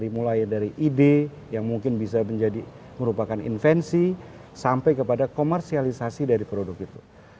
mulai dari ide yang mungkin bisa menjadi merupakan invensi sampai kepada komersialisasi dari produk itu